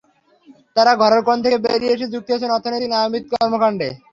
তাঁরা ঘরের কোণ থেকে বেরিয়ে এসে যুক্ত হচ্ছেন অর্থনৈতিক নানাবিধ কর্মকাণ্ডে।